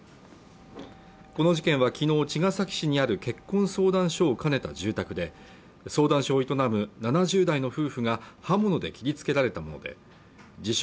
この事件は昨日茅ケ崎市にある結婚相談所を兼ねた住宅で相談所を営む７０代の夫婦が刃物で切りつけられたもので自称